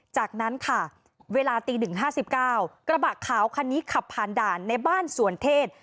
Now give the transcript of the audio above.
จากนั้นค่ะเวลาตี๑๕๙กระบะขาวคันนี้ขับผ่านด่านในบ้านสวนเทศ